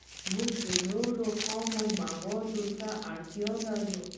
موږ نورو خامو موادو ته اړتیا لرو